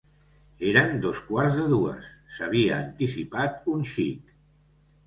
Eren dos quarts de dues: s'havia anticipat un xic